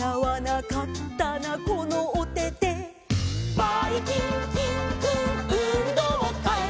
「ばいきんきんくんうんどうかい」